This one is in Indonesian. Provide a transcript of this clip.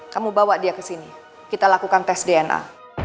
kamu bawa dia kesini kita lakukan tes dna